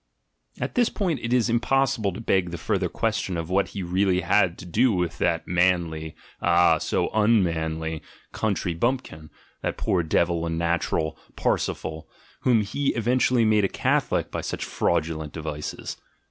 At this point it is impossible to beg the further question of what he really had to do with that manly (ah, so un manly) country bumpkin, that poor devil and natural, Parsifal, whom he eventually made a Catholic by such fraudulent devices.